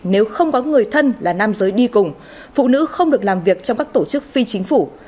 nếu không có người thân là nam giới đi cùng phụ nữ không được làm việc trong các tổ chức phi chính phủ